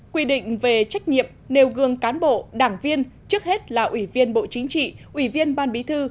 quy định về trách nhiệm nêu gương cán bộ đảng viên trước hết là ủy viên bộ chính trị ủy viên ban bí thư